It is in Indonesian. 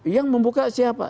yang membuka siapa